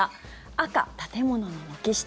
赤、建物の軒下。